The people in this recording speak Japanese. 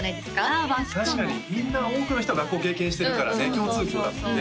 あ湧くかも確かにみんな多くの人学校経験してるからね共通項だもんね